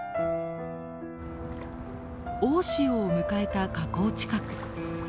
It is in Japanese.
大潮を迎えた河口近く。